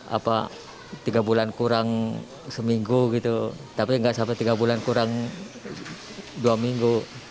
apa tiga bulan kurang seminggu gitu tapi nggak sampai tiga bulan kurang dua minggu